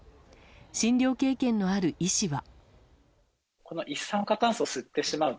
診療経験のある医師は。